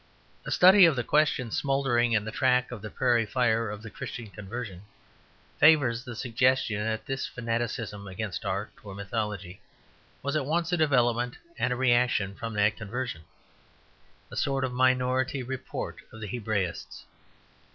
A study of the questions smouldering in the track of the prairie fire of the Christian conversion favours the suggestion that this fanaticism against art or mythology was at once a development and a reaction from that conversion, a sort of minority report of the Hebraists.